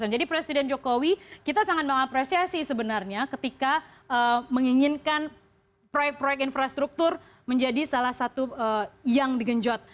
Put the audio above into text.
jadi presiden jokowi kita sangat mengapresiasi sebenarnya ketika menginginkan proyek proyek infrastruktur menjadi salah satu yang digenjot